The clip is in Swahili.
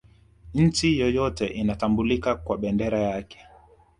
nchi yoyote inatambulika kwa bendera yake